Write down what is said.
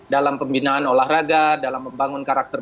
dalam pembinaan olahraga dalam membangun karakter